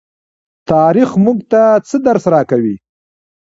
تاریخ موږ ته څه درس راکوي؟